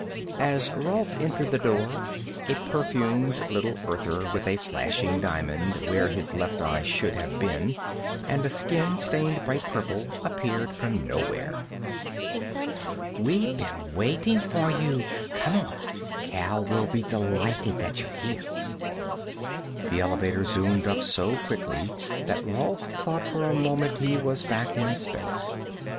As Rolf entered the door, a perfumed little Earther with a flashing diamond where his left eye should have been and a skin stained bright purple appeared from nowhere. "We've been waiting for you. Come on; Kal will be delighted that you're here." The elevator zoomed up so quickly that Rolf thought for a moment that he was back in space.